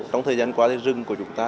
trong thời gian qua thì rừng của chúng ta